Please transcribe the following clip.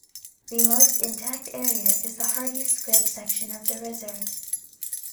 The most intact area is the Hardy's Scrub section of the reserve.